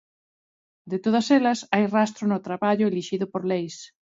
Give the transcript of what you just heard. De todas elas hai rastro no traballo elixido por Leis.